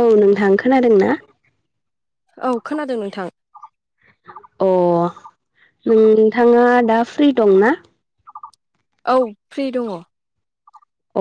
औ नोंथां खोनादोंना? औ खोनादों नोंथां। अ ओम नोंथाङा दा फ्रि दंना? औ फ्रि दङ।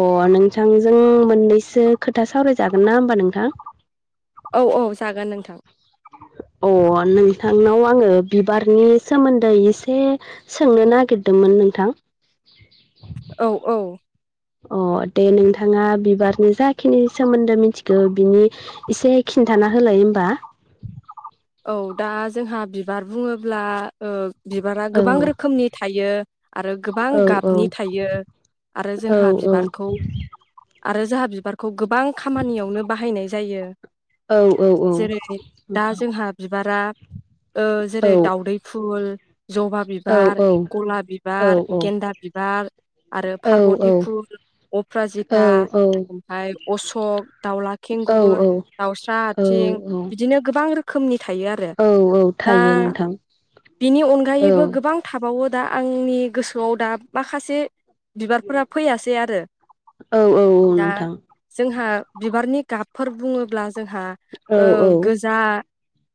अ नोंथांजों मोननैसो खोथा सावरायजागोन ना होमबा नोंथां? औ औ जागोन नोंथां। अ नोंथांनाव आङो बिबारनि सोमोन्दै एसे सोंनो नागिरदोंमोन नोंथां। औ औ। अ दे नोंथाङा बिबारनि जाखिनि सोमोन्दो मिथिखौ बेनि एसे खिन्थाना होलाय होमबा। औ दा जोंहा बिबार बुङोब्ला ओ बिबारा औ गोबां रोखोमनि थायो आरो गोबां औ गाबनि थायो। आरो औ जोंहा बिबारखौ, आरो जोंहा बिबारखौ गोबां खामानियावनो बाहायनाय जायो औ औ औ औ औ जेरै दा जोंहा बिबारा औ जेरै दावदै फुल, जबा औ बिबार, गलाप बिबार, औ गेन्दा बिबार आरो पार्बति फुल, अप्राजिता ओमफ्राय अशक दाउला औ खेंगुर, दाउस्रा औ आथिं औ बिदिनो गोबां रोखोमनि थायो आरो। औ औ दा थायो नोंथां बेनि औ अनगायैबो गोबां थाबावो दा आंनि गोसोआव दा माखासे बिबारफोरा फैयासै आरो। औ औ दा नोंथां जोंहा बिबारनि गाबफोर बुङोब्ला जोंहा औ ओ औ गोजा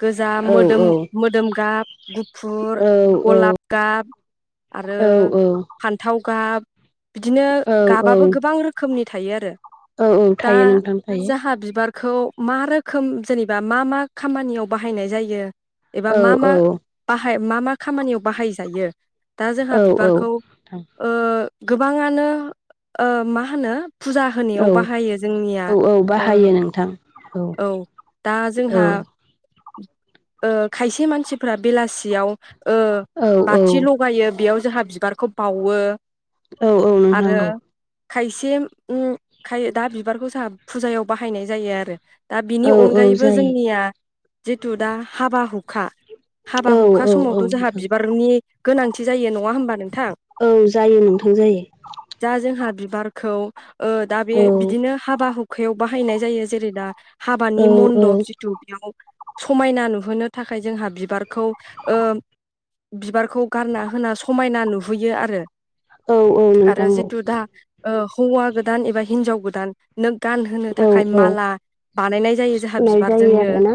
गोजा औ मोदोम औ मोदोम गाब, गुफुर, औ औ गलाब गाब आरो औ फान्थाव गाब बिदिनो औ गाबाबो गोबां रो खोमनि थायो आरो। औ दा थायो नोंथां थायो जोंहा बिबार खौ मा रोखोम जेनेबा मा मा खामानियाव बाहायनाय जायो एबा मा औ मा औ बाहाय मा मा खामानियाव बाहायजायो, दा जोंहा औ औ बिबारखौ ओ गोबाङानो ओ मा होनो फुजा औ होनायाव बाहायो जोंनिया। औ औ ओ बाहायो नोंथां औ दा औ जोंहा ओ खायसे मानसिफोरा बेलासियाव ओ औ बाथि लगायो बेयाव जोंहा बिबारखौ बाउवो औ औ नोंथां आरो औ खायसे ओम खाय दा बिबारखौ जोंहा फुजायाव बाहायनाय जायो आरो। दा औ बिनि औ अनगायैबो जायो जोंनिया जिथु दा हाबा हुखा, हाबा औ हुखा औ औ समावथ' जोंहा नोंथां बिबारनि गोनांथि जायो नङा होमबा नोंथां? ओं जायो नोंथां जायो। दा जोंहा बिबारखौ ओ दा बे औ बिदिनो हाबा हुखायाव बाहायनाय जायो जेरै दा औ हाबानि औ मन्दप जिथु बेयाव समायना नुहोनो थाखाय जोंहा बिबारखौ ओ बिबारखौ गारना होना समायना नुहोयो आरो। औ औ आरो नोंथां औ। जिथु दा ओ हौवा गोदान एबा हिनजाव गोदान नो गानहोनो औ थाखाय माला बानायनाय जायो जोंहा होनाय जायो बिबारजोंनो। आरोना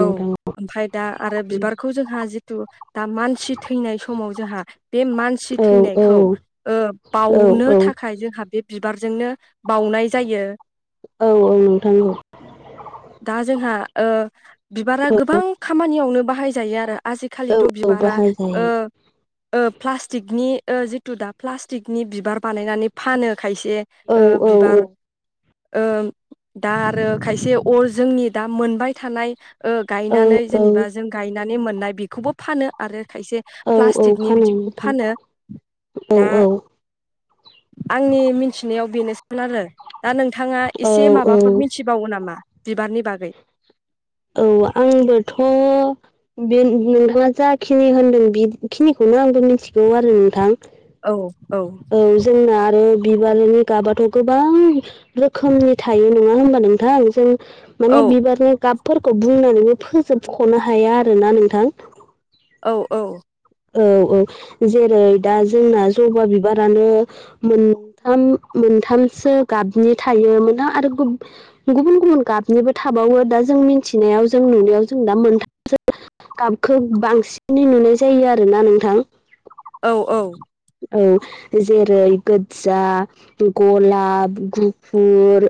औ ओमफ्राय दा आरो बिबारखौ जोंहा जिथु दा मानसि थैनाय समाव जोंहा बे मानसि औ थैनायखौ औ ओ औ बाउनो औ थाखाय जोंहा बे बिबारजोंनो बाउनाय जायो। औ औ नोंथां औ दा जोंहा ओ बिबारा गोबां खामानियावनो बाहायजायो आरो औ आजिखालिथ औ बिबारा ओ बाहायजायो ओ प्लास्टिकनि ओ जिथु दा प्लास्टिकनि बिबार बानायनानै फानो खायसे औ ओ औ बिबार ओ दा आरो खायसे अ जोंनि दा मोन बाय थानाय ओ औ गायनानै जेनेबा जों गायनानै मोननाय बेखौबो फानो आरो खायसे औ औ प्लास्टिकनि फानो बिदिखौबो नोंथां फानो औ दा। औ आंनि मिथिनायाव बेनो सान आरो दा नोंथाङा औ एसे औ माबाफोर मिनथि बावो नामा बिबारनि बागै? औ आंबोथ' बे नोंथाङा जाखिनि होनदों बेखिनिखौनो आंबो मिथिगौ आरो नोंथां। औ औ औ जोंना आरो बिबारनि गाबाथ' गोबां रोखोमनि थायो नङा होमबा नोंथां जों औ माने बिबारनि गाबफोरखौ बुंनानैबो फोजोबखनो हाया आरोना नोंथां। औ औ औ औ जेरै दा जोंना जबा बिबारानो मोनथाम मोनथामसो गाबनि थायोमोना आरो गुब गुबुन गुबुन गाबनिबो थाबावो दा जों मिथिनायाव जों नुनायाव जों दा मोनथामसो गाबखौ बांसिनै नुनाय जायो आरोना नोंथां। औ औ औ जेरै गोदजा गलाप, गुफुर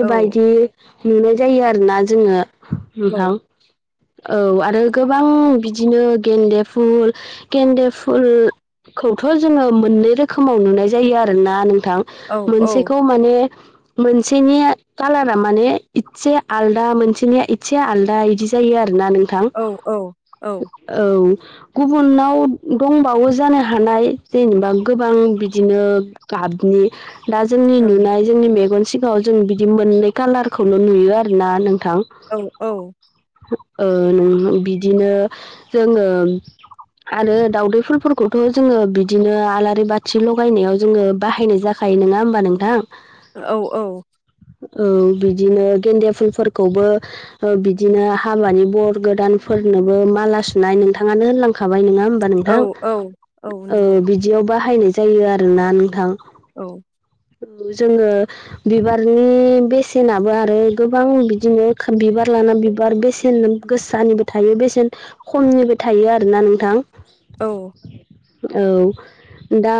औ नुनाय जायो आरोना जोङो औ नोंथां। औ आरो गोबां बिदिनो गेन्दे फुल गेन्दे फुल खौथ' जोङो मोननै रोखोमाव नुनाय जायो आरोना नोंथां औ औ मोनसेखौ माने मोनसेनिया कालारा माने इसे आलदा मोनसेनिया इसे आलदा इदि जा जायो आरोना नों थां औ औ गुबुनाव दंबावो जानो हा हानाय जेनेबा गोबां बिदिनो गाबनि दा जोंनि नुनाय जोंनि मेगन सिगाङाव जों बिदिनो मोननै कालारखौल' नुयो आरोना नोंथां। औ औ ओ नों बिदिनो जोङो आरो दावउदै फुलफोर थ' जोङो बिदिनो आलारि बाथि लगायनायाव जोङो बाहायनाय जाखायो नङा होमबा नोंथां? औ औ औ बिदिनो गेन्दे फुलफोरखौबो बिदिनो हाबानि बर गोदानफोरनोबो माला सुनाय नोंथाङानो होनलांखाबाय नोङा होमबा औ नोंथां औ औ ओ नंगौ बिदियाव बाहायनाय जायो आरोना नोंथां। औ औ जोङो बिबारनि बेसेनाबो आरो गोबां बिदिनो बिबार लाना बिबार बेसेन गोसानिबो थायो बेसेन खमनिबो थायो आरोना नोंथां। औ औ दा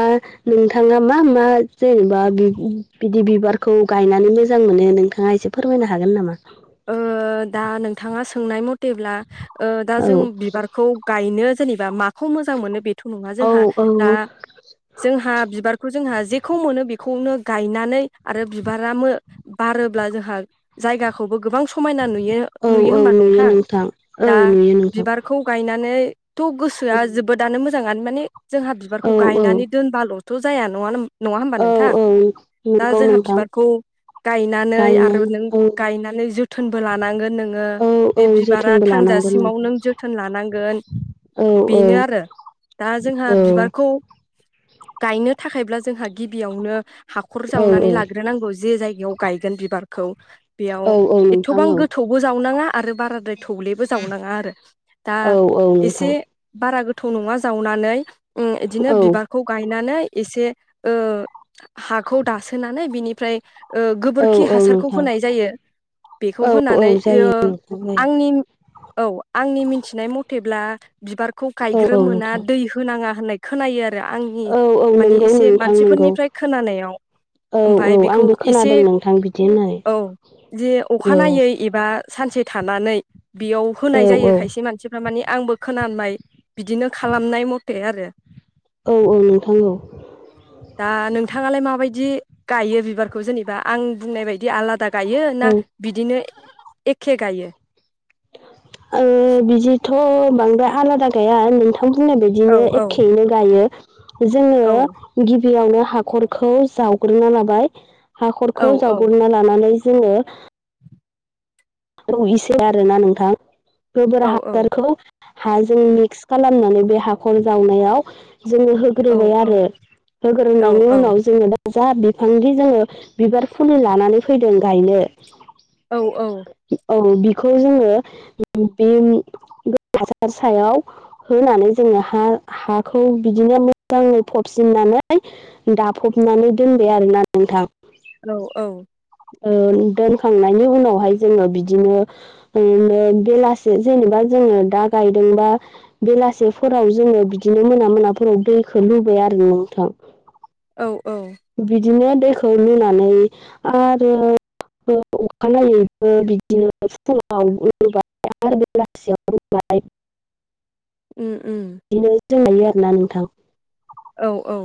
नोंथाङा मा मा जेनेबा बि बिदि बिबारखौ गायनानै मोजां मोनो नोंथाङा एसे फोरमायनो हागोन नामा? ओ दा नोंथाङा सोंनाय मथेब्ला दा ओ औ जों बिबारखौ गायनो जेनेबा माखौ मोजां मोनो बेथ' नङा औ जोंहा दा औ जोंहा बिबारखौ जोंहा जेखौ मोनो बेखौनो गायनानै आरो बिबारा मो बारोब्ला जोंहा जायगाखौबो गोबां समायना नुयो नुयो औ नुयो औ होमबा नोंथां औ दा नुयो नोंथां बिबार बिखौ गायनानैथ' गोसोआ जोबोदनो मोजाङानो माने जोंहा बिबारखौ औ औ गायनानै दोनबाल'थ' जाया नङा हो नङा होमबा औ नोंथां औ दा नंगौ जोंहा नोंथां बिबारखौ गायनानै आरो नों गायनानै जोथोनबो लानांगोन नोङो ओ औ बे औ बिबारा जोथोनबो लानांगोन थांजासिमाव नोंथां नों जोथोन लानांगोन औ औ बेनो आरो दा जोंहा औ बिबारखौ गायनो थाखायब्ला जोंहा गिबियावनो हाखर औ जावनानै औ ला ग्रोनांगौ जे जायगायाव गायगोन बिबारखौ बेयाव औ औ नोंथां एथ'बां औ गोथौ बो जावनाङा आरो बाराद्राय थौलेबो जावनाङा आरो दा औ औ एसे नोंथां बारा गोथौ नङा जावनानै ओ बिदिनो औ बिबार खौ गायनानै एसे ओ हाखौ दासोनानै बिनिफ्राय ओ औ गोबोरखि औ हासारखौ नोंथां होनाय जायो बेखौ औ औ होनानै जायो आं नोंथां जायो औ आंनि मिथिनाय मथेब्ला बिबार खौ औ औ गायग्रोमोना नोंथां दै होनाङा होननाय खोनायो आरो आं नि औ औ मानि नंगौ एसे नोंथां नंगौ मानसिफोरनिफ्राय खोनानायाव औ औ ओमफाय बेखौ आंबो एसे खोनादों नोंथां बिदि होननानै औ जे औ अखानायै एबा सानसे थानानै बेयाव औ होनाय जायो औ खायसे मानसिफ्रा मानि आंबो खोनानाय बिदिनो खालामनाय मथे आरो औ औ नोंथां औ दा नोंथाङालाय माबायदि गायो बिबारखौ जेनेबा आं बुंनाय बाय बिदि आलादा गायो ना औ बिदिनो एखे गायो ओ बिदिथ' बांद्राय आलादा गाया नोंथां नोंथां बुंनाय औ बायदिनो औ एखेयैनो गायो औ जोङो गिबियावनो हाखरखौ जावग्रोना लाबाय औ हाखरखौ औ जावगोरना लानानै जोङो औ इसे आरोना नोंथां गोबोर औ औ हासारखौ हाजों मिक्स खालामनानै बे हाखर जावनायाव जोङो हो औ ग्रोबाय आरो औ होग्रोनायनि उनाव जोङो दा जा बिफांनि जोङो बिबार फुलि लानानै फैदों गायनो औ औ औ बिखौ जोङो बे बे हासार सायाव होनानै जोङो हा हाखौ बिदिनो मोजाङै फबसिननानै दाफबनानै दोनबाय आरोना नोंथां औ औ ओ दोनखांनायनि उनावहाय जोङो बिदिनो बेलासे जेनेबा जोङो दा गायदोंबा बेलासिफोराव जोङो बिदिनो मोना मोनाफोराव दैखौ लुबाय आरो नोंथां औ औ बिदिनो दैखौ लुनानै आरो अखानायै बिदिनो फुङाव रुबाय आरो बेलासियाव रुबाय उम उम बिदिनो रोंलायो आरो ना नोंथां औ औ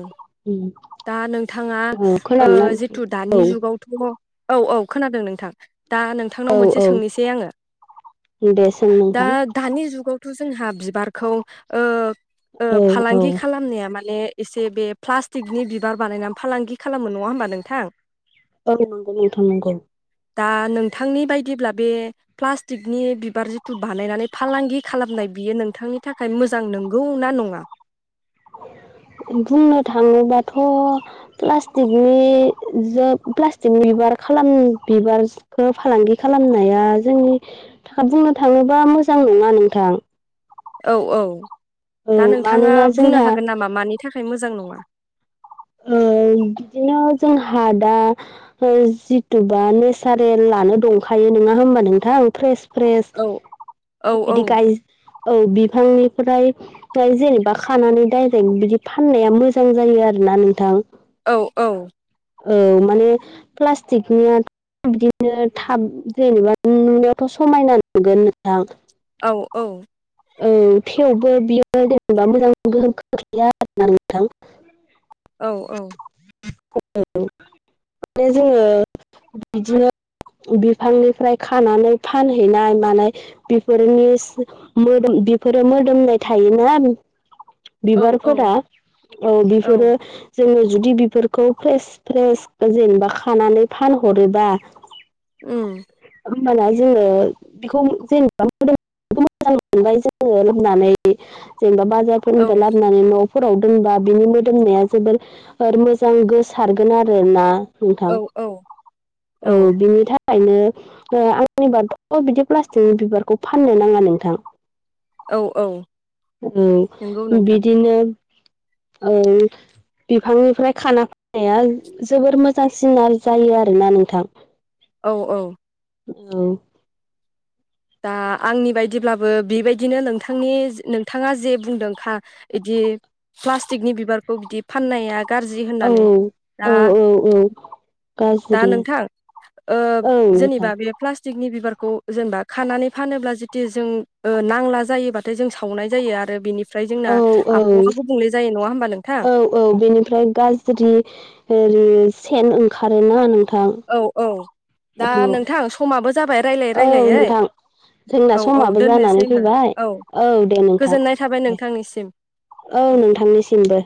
उम दा नोंथाङा ओ जिथु दानि औ जुगाव औ औ खोनादों नोंथां दा नों नोंथांनाव औ मोनसे औ सोंनोसै आङो दे सों दा नोंथां दानि जुगावथ' जोंहा बिबारखौ ओ ओ औ औ फालांगि खालामनाया माने एसे बे प्लास्टिकनि बिबार बानायनानै फालांगि खालामो नङा होमबा नोंथां औ नंगौ नोंथां नंगौ दा नोंथांनि बायदिब्ला बे प्लास्टिकनि बिबार जिथु बानायनानै फालांगि खालामनाय बियो नोंथांनि थाखाय मोजां नंगौ ना नङा बुंनो थाङोबाथ' प्लास्टिकनि जा प्लास्टिक बिबार खालाम बिबार फालांगि खालामनाया जोंनि थाखाय बुंनो थाङोबा मोजां नङा नोंथां औ औ औ दा नोंथाङा मानोना बुंनो जोंहा हागोन नामा मानि थाखाय मोजां नङा ओ बिदिनो जोंहा दा जिथुबा नेसारेलानो दंखायो नङा होमबा नोंथां फ्रेस फ्रेस औ औ औ बिदि गाय औ बिफांनिफ्राय बिफांनिफ्राय जेनेबा खानानै डाइरेक्ट बिदि फाननाया मोजां जायो आरोना नोंथां औ औ औ माने प्लास्टिकनिया बिदिनो थाब जेनेबा नुनायावथ' समायना नुगोन नोंथां औ औ औ थेवबो बियो जेनेबा मोजां गोहोम खोख्लैया आरो ना नोंथां औ औ [unintelligible] माने जोङो बिदिनो बिफांनिफ्राय खानानै फानहैनाय मानाय बेफोरनि मोदोम बेफोरो मोदोमनाय थायोना औ औ बिबारफोरा औ बेफोरो औ जोङो जुदि बेफोरखौ फ्रेस फ्रेस जेनेबा खानानै फानहरोबा ओम होमबाना जोंङो बेखौ जेनेबा मोजां मोनबाय जोंङो लुनानै जेनेबा औ बाजारफोरनिफ्राय लाबोनानै न' न'फोराव दोनबा बिनि मोदोमनाया जोबोर मोजां गोसारगोन आरोना नोंथां औ औ बिनि थाखाय ओंखायनो आंनिबाथ' बिदि प्लास्टिकनि बिबारखौ फाननो नाङा नोंथां औ औ नंगौ औ नोंथां बिदिनो औ बिफांनिफ्राय खाना नाया जोबोर मोजांसिन जायो आरोना नोंथां औ औ औ दा आंनि बायदिब्लाबो बेबायदिनो नोंथांनि नोंथाङा जे बुंदों खा बिदि प्लास्टिकनि बिबारखौ बिदि फाननाया गाज्रि औ होननानै दा औ औ दा गाज्रि नोंथां औ नोंथां जेनेबा बे प्लास्टिकनि बिबारखौ जेनेबा खानानै फानोब्ला जुतु जों नांला जायोबा नाथाय जों सावनाय जायो आरो बेनिफ्राय जोंना औ औ आबौावा गुबुंले जायो नङा होमबा नोंथां औ औ बेनिफ्राय गाज्रि र सेन ओंखारोना नों औ औ दा नोंथां समाबो जाबाय रायजलायै औ रायजलायै नोंथां जोंना समाबो जानानै फैबाय औ दे नोंथां गोजोननाय थाबाय दे नोंथांनिसिम औ नोंथांनिसिमबो